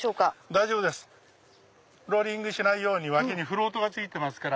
大丈夫ローリングしないように脇にフロートがついてますから。